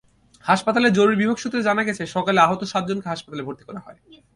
হাসপাতালের জরুরি বিভাগ সূত্রে জানা গেছে, সকালে আহত সাতজনকে হাসপাতালে ভর্তি করা হয়।